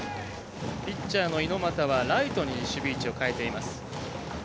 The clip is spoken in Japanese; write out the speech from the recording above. ピッチャーの猪俣はライトに守備位置を変えています。